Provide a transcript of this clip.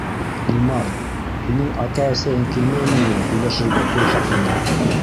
Илмар, һинең ата-әсәйең килмәйме ни һөйләшергә туй хаҡында?